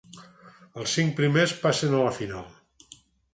Els cincs primers passen a la final.